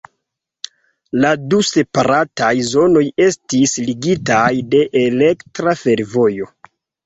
La du separataj zonoj estis ligitaj de elektra fervojo.